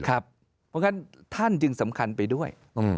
เพราะฉะนั้นท่านจึงสำคัญไปด้วย